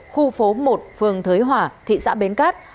khu phố một phường thới hỏa thị xã bến cát